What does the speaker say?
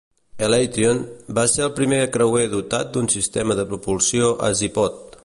"Elation" va ser el primer creuer dotat d'un sistema de propulsió Azipod.